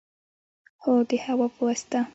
هو، د هوا په واسطه